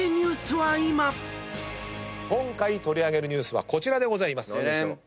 今回取り上げるニュースはこちらでございます。